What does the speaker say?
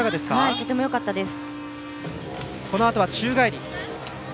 とてもよかったです。